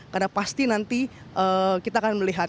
karena pasti nanti kita akan melihat